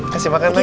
kasih makan lagi